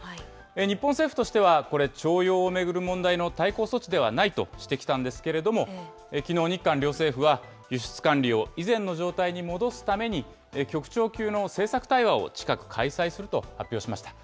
日本政府としては、これ、徴用を巡る問題の対抗措置ではないとしてきたんですけれども、きのう、日韓両政府は、輸出管理を以前の状態に戻すために、局長級の政策対話を近く開催すると発表しました。